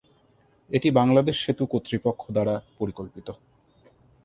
এটি বাংলাদেশ সেতু কর্তৃপক্ষ দ্বারা পরিকল্পিত।